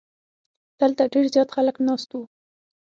دلته ډیر زیات خلک ناست وو.